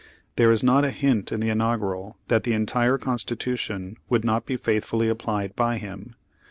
There is not a hint in the Inaugural that the entire Constitution would not be faithfully applied by him.